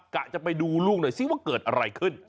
จะไปดูลูกหน่อยซิว่าเกิดอะไรขึ้น